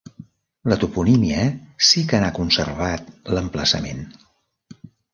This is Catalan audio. La toponímia sí que n'ha conservat l'emplaçament.